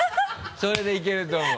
それでいけると思う。